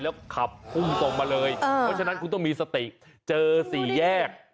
แล้วขับพุ่งตรงมาเลยเพราะฉะนั้นคุณต้องมีสติเจอสี่แยก